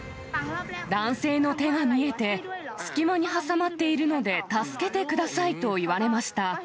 男性の手が見えて、隙間に挟まっているので、助けてくださいと言われました。